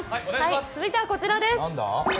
続いてはこちらです。